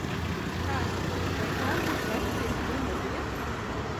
Tātad, vai tā būs vecmeita numur viens?